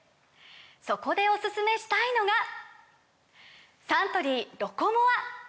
そこでおすすめしたいのがサントリー「ロコモア」！